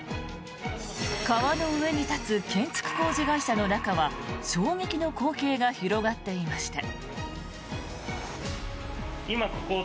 川の上に立つ建築工事会社の中は衝撃の光景が広がっていました。